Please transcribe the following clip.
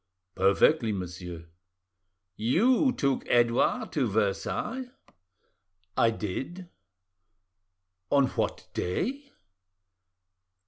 "Perfectly, monsieur." "You took Edouard to Versailles?" "I did." "On what day?"